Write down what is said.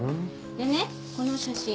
でねこの写真。